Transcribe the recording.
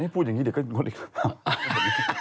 พูดอย่างนี้เดี๋ยวก็งดอีกหรือเปล่า